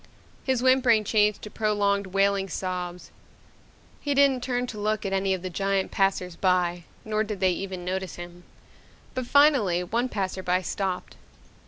His whimpering changed to prolonged wailing sobs. He didn't turn to look at any of the giant passers by nor did they even notice him. But finally one passer by stopped.